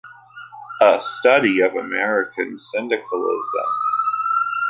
A Study of American Syndicalism.